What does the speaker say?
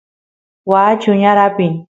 waa chuñar apin